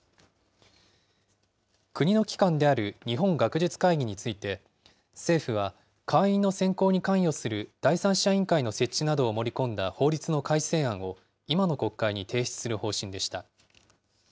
国の機関である日本学術会議について、政府は会員の選考に関与する第三者委員会の設置などを盛り込んだ法律の改正案を今の国会に提出する方針でした。